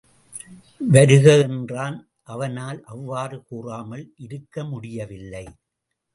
வருக என்றான் அவனால் அவ்வாறு கூறாமல் இருக்க முடியவில்லை.